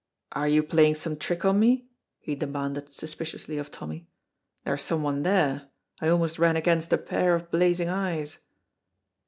"Are you playing some trick on me?" he demanded suspiciously of Tommy. "There is some one there; I almost ran against a pair of blazing eyes."